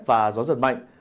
và gió giật mạnh